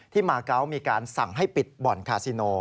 มาเกาะมีการสั่งให้ปิดบ่อนคาซิโน